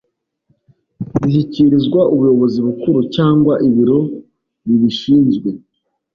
ishyikirizwa ubuyobozi bukuru cyangwa ibiro bi bishinzwe